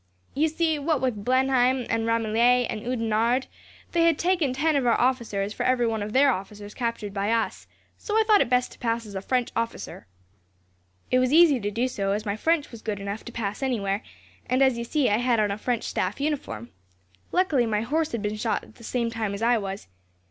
You see, what with Blenheim and Ramillies and Oudenarde, they had taken ten of our officers for every one of their officers captured by us, so I thought it best to pass as a French officer. "It was easy to do so, as my French was good enough to pass anywhere, and, you see, I had on a French staff uniform. Luckily my horse had been shot at the same time as I was.